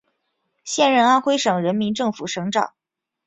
现任安徽省人民政府省长。